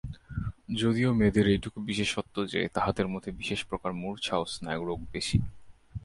যদিও মেয়েদের এইটুকু বিশেষত্ব যে, তাঁহাদের মধ্যে বিশেষ প্রকার মূর্ছা ও স্নায়ুরোগ বেশী।